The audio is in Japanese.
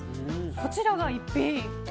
こちらが逸品。